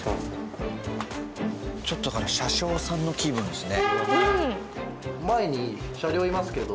ちょっとなんか車掌さんの気分ですね。